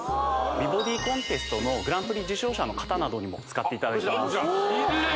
美ボディコンテストのグランプリ受賞者の方などにも使っていただいてますキレイ！